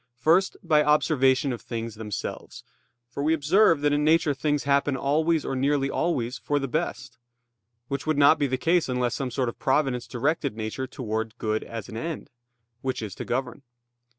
First, by observation of things themselves: for we observe that in nature things happen always or nearly always for the best; which would not be the case unless some sort of providence directed nature towards good as an end; which is to govern.